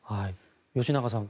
吉永さん